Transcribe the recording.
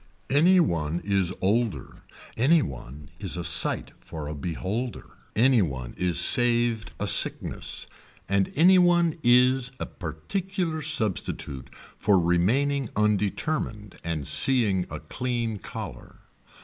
Any one is older. Any one is a sight for a beholder. Any one is saved a sickness. And any one is a particular substitute for remaining undetermined and seeing a clean collar.